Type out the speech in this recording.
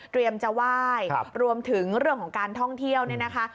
จะไหว้รวมถึงเรื่องของการท่องเที่ยวเนี่ยนะคะ